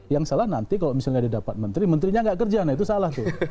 yang salah nanti kalau misalnya didapat menteri menterinya nggak kerja nah itu salah tuh